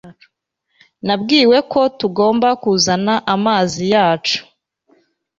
Nabwiwe ko tugomba kuzana amazi yacu